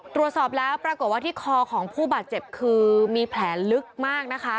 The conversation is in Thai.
ตรวจสอบแล้วปรากฏว่าที่คอของผู้บาดเจ็บคือมีแผลลึกมากนะคะ